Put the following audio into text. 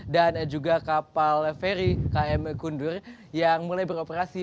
dan juga kapal feri km kundur yang mulai beroperasi